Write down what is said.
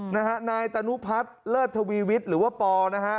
นายตนุพัฒน์เลิศทวีวิทย์หรือว่าปอนะฮะ